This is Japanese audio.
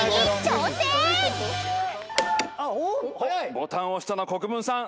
「ボタンを押したのは国分さん。